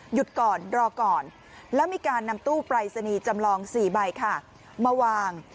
หยุดก่อนรอก่อนแล้วมีการนำตู้ปรายศนีย์จำลอง๔ใบค่ะมาวาง